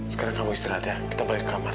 sekarang kamu istirahat ya kita balik ke kamar